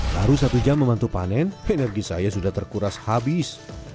baru satu jam memantu panen energi saya sudah terkuras habis